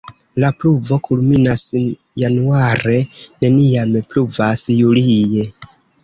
La pluvo kulminas januare, neniam pluvas julie.